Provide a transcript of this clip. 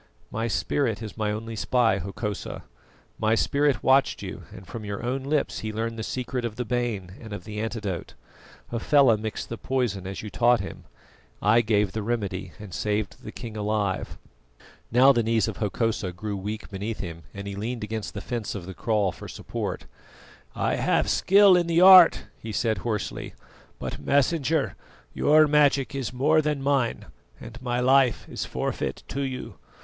"My spirit is my only spy, Hokosa. My spirit watched you, and from your own lips he learned the secret of the bane and of the antidote. Hafela mixed the poison as you taught him; I gave the remedy, and saved the king alive." Now the knees of Hokosa grew weak beneath him, and he leaned against the fence of the kraal for support. "I have skill in the art," he said hoarsely; "but, Messenger, your magic is more than mine, and my life is forfeit to you.